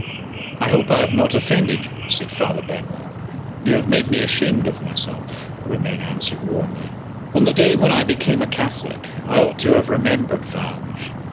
"I hope I have not offended you?" said Father Benwell. "You have made me ashamed of myself," Romayne answered, warmly. "On the day when I became a Catholic, I ought to have remembered Vange.